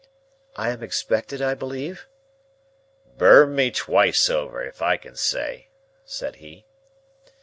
"I am expected, I believe?" "Burn me twice over, if I can say!" said he.